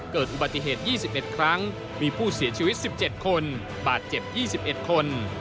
เกิดอุบัติเหตุ๒๑ครั้งมีผู้เสียชีวิต๑๗คนบาดเจ็บ๒๑คน